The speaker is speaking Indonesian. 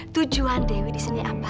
tujuan dewi di sini apa